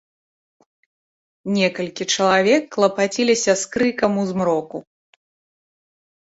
Некалькі чалавек клапаціліся з крыкам у змроку.